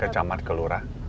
ke camat kelurahan